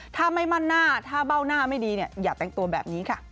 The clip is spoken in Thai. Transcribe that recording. ถ้าไม่มั่นหน้าถ้าเบ้าหน้าไม่ดีอย่าแต่งตัวแบบนี้ค่ะ